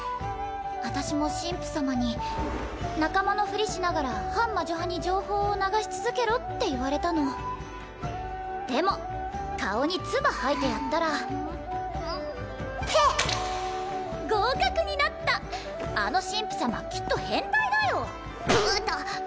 私も神父様に仲間のフリしながら反魔女派に情報を流し続けろって言われたのでも顔にツバ吐いてやったらぺっ！合格になったあの神父様きっと変態だよあたっ！